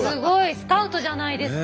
スカウトじゃないですか。